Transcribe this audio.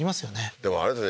でもあれですね